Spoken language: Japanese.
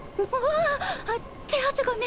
ああっ手汗がね。